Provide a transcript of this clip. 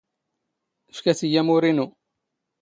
ⴼⴽⴰⵜ ⵉⵢⵉ ⴰⵎⵓⵔ ⵉⵏⵓ.